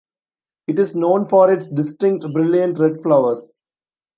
It is known for its distinct brilliant red flowers.